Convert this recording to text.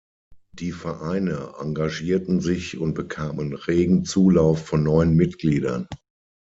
Die Vereine engagierten sich und bekamen regen Zulauf von neuen Mitgliedern.